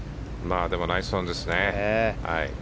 でもナイスオンですね。